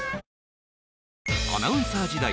あアナウンサー時代